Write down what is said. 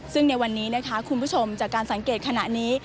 ซึ่งในวันนี้นะคะคุณผู้ชมจากการสังเกตขณะนี้